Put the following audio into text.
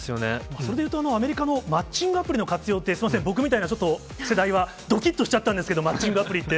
それでいうと、アメリカのマッチングアプリの活用って、すみません、僕みたいな、ちょっと世代はどきっとしちゃったんですけど、マッチングアプリって。